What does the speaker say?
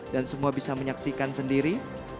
dan semua bisa menyaksikan sendiri